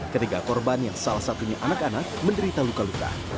ketiga korban yang salah satunya anak anak menderita luka luka